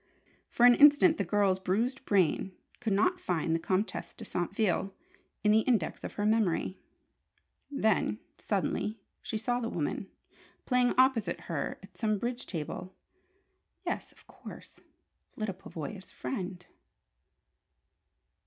For an instant the girl's bruised brain could not find the Comtesse de Saintville in the index of her memory. Then, suddenly, she saw the woman, playing opposite her at some bridge table. Yes, of course, Lyda Pavoya's friend.